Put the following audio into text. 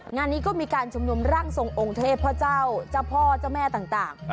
งานนี้ก็มีการชุมนุมร่างทรงองค์เทพเจ้าเจ้าพ่อเจ้าแม่ต่าง